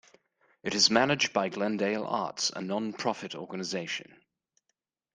It is managed by Glendale Arts, a non-profit organization.